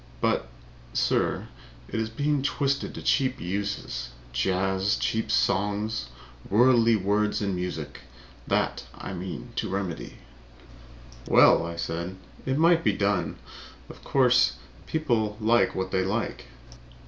But, sir, it is being twisted to cheap uses. Jazz! Cheap songs! Worldly words and music! That I mean to remedy." "Well," I said, "it might be done. Of course, people like what they like."